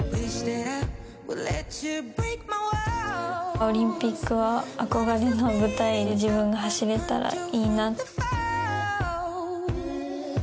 オリンピックは憧れの舞台で自分が走れたらいいな。